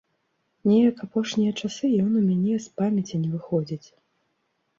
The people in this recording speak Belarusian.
Неяк апошнія часы ён у мяне з памяці не выходзіць.